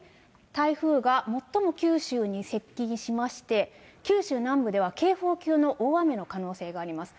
台風が最も九州に接近しまして、九州南部では警報級の大雨の可能性があります。